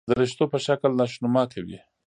درشتو په شکل نشونما کوي.